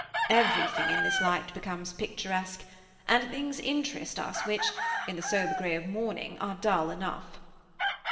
Everything in this light becomes picturesque; and things interest us which, in the sober grey of morning, are dull enough.